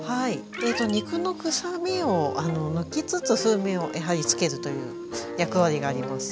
肉のくさみを抜きつつ風味をつけるという役割があります。